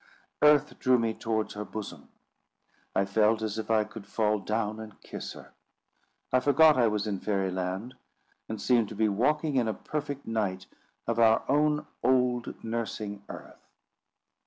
Earth drew me towards her bosom; I felt as if I could fall down and kiss her. I forgot I was in Fairy Land, and seemed to be walking in a perfect night of our own old nursing earth.